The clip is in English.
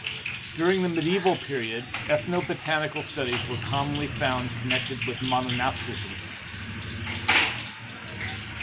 During the medieval period, ethnobotanical studies were commonly found connected with monasticism.